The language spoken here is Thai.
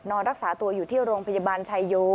นอนรักษาตัวอยู่ที่โรงพยาบาลชายโย